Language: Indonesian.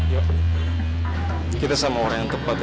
yuk kita sama orang yang tepat ya